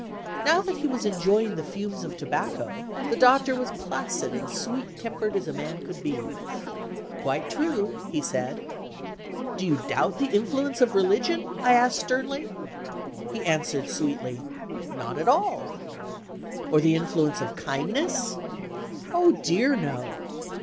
Now that he was enjoying the fumes of tobacco, the Doctor was as placid and sweet tempered as a man could be. "Quite true," he said. "Do you doubt the influence of religion?" I asked sternly. He answered, sweetly: "Not at all" "Or the influence of kindness?" "Oh, dear, no!"